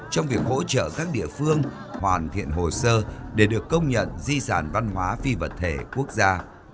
trong việc hỗ trợ các địa phương hoàn thiện hồ sơ để được công nhận di sản văn hóa phi vật thể quốc gia